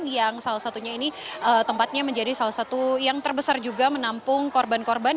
yang salah satunya ini tempatnya menjadi salah satu yang terbesar juga menampung korban korban